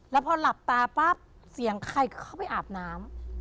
แล้วพอหลับตาปั๊บเสียงใครเข้าไปอาบน้ำ